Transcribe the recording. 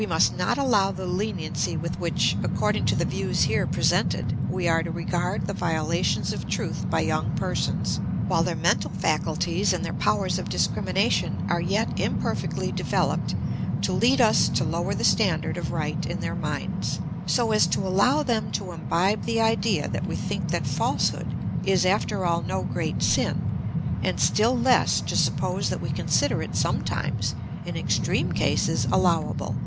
We must not allow the leniency with which, according to the views here presented, we are to regard the violations of truth by young persons, while their mental faculties and their powers of discrimination are yet imperfectly developed, to lead us to lower the standard of right in their minds, so as to allow them to imbibe the idea that we think that falsehood is, after all, no great sin, and still less, to suppose that we consider it sometimes, in extreme cases, allowable.